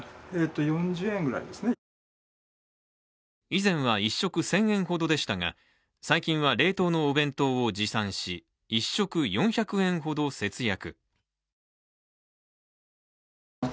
以前は１食１０００円ほどでしたが最近は冷凍のお弁当を持参し１食４００円ほど節約。